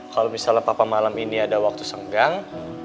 kalau misalnya papa malam ini ada waktu senggang